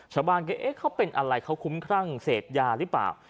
ชาวบ้านก็เอ๊ะเขาเป็นอะไรเขาคุ้มครั่งเสพยาหรือเปล่า